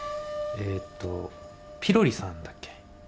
えっとピロリさんだっけ？